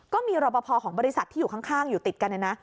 ก็มีรอปภของบริษัทที่อยู่ข้างอยู่ติดกัน